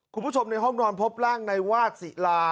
คุณผู้ชมในห้องนอนพบร่างในวาดศิลา